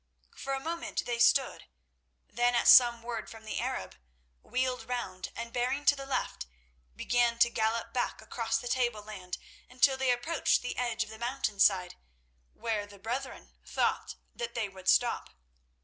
For a moment they stood; then, at some word from the Arab, wheeled round, and, bearing to the left, began to gallop back across the tableland, until they approached the edge of the mountainside, where the brethren thought that they would stop.